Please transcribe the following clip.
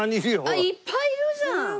あっいっぱいいるじゃん！